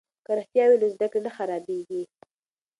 که رښتیا وي نو زده کړه نه خرابیږي.